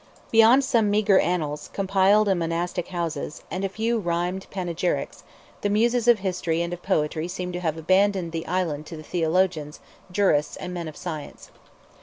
Beyond some meagre annals, compiled in monastic houses, and a few rhymed panegyrics, the muses of history and of poetry seem to have abandoned the island to the theologians, jurists, and men of science.